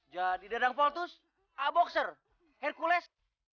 jadi dadang voltus a boxer hercules